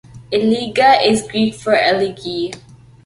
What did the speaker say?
Elegia is Greek for elegy.